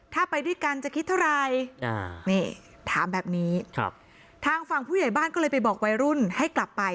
ถ้าไปด้วยกันจะคิดเท่าไรนี่ถามแบบนี้ทางฝั่งผู้ใหญ่บ้านก็เลยไปบอกวัยรุ่นให้กลับไป